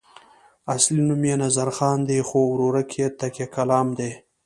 اصلي نوم یې نظرخان دی خو ورورک یې تکیه کلام دی.